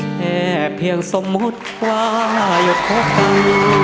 แค่เพียงสมมติว่าหยุดพบกัน